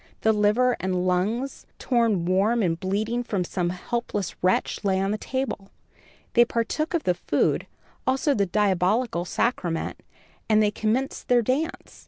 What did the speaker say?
The liver and lungs, torn warm and bleeding from some helpless wretch, lay on the table. They partook of the food, also the diabolical sacrament, and then commenced their dance.